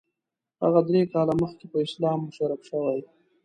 هغه درې کاله مخکې په اسلام مشرف شوی.